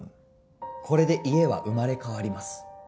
これで家は生まれ変わります。